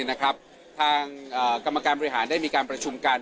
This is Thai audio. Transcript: ทางกรรมการบริหารได้มีการประชุมกัน